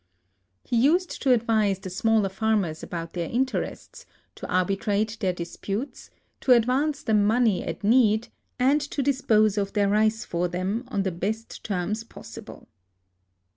He used to advise the smaller farmers about their interests, to arbitrate their disputes, to advance them money at need, and to dispose of their rice for them on the best terms possible.